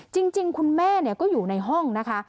จริงคุณแม่ก็อยู่ในห้องนะคะ